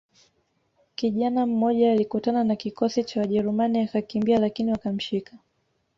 Kijana mmoja alikutana na kikosi cha wajerumani akakimbia lakini wakamshika